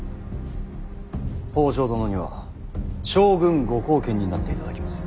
北条殿には将軍ご後見になっていただきます。